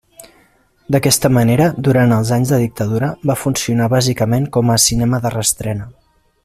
D'aquesta manera, durant els anys de dictadura va funcionar bàsicament com a cinema de reestrena.